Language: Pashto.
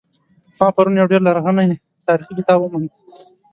ما پرون یو ډیر لرغنۍتاریخي کتاب وموند